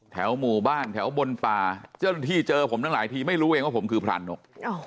หมู่บ้านแถวบนป่าเจ้าหน้าที่เจอผมตั้งหลายทีไม่รู้เองว่าผมคือพรานก